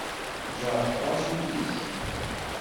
Tjerḥeḍ-as ul-is.